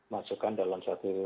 masukkan dalam suatu